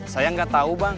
saya gak tahu bang